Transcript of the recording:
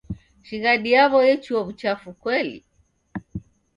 Shighadi yaw'o yechua w'uchafu kweli.